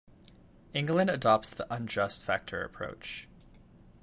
England adopts the "unjust factor" approach.